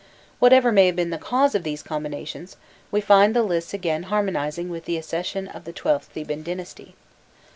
Whatever may have been the cause of these combinations, we find the lists again harmonizing with the accession of the XIIth (Theban) dynasty.